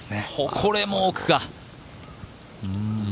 これも奥か。